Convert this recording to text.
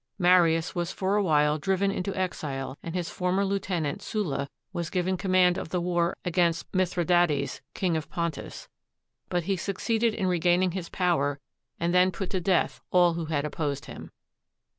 Marius was for a while driven into exile, and his former lieutenant Sulla was given command of the war against Mithridates, King of Pontus; but he succeeded in regaining his power and then put to death all who had opposed him.